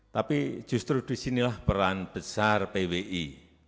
tapi justru disinilah peran besar pwi